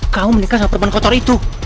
kamu menikah sama perempuan kotor itu